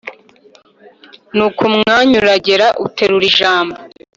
nuko umwanya uragera aterura ijambo